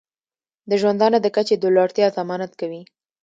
د ژوندانه د کچې د لوړتیا ضمانت کوي.